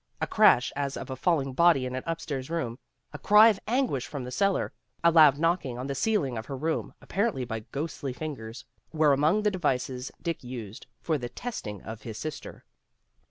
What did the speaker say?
A crash as of a falling body in an upstairs room, a cry of anguish from the cellar, a loud knocking on the ceiling of her room apparently by ghostly fingers, were among the devices Dick used for the testing of his sister.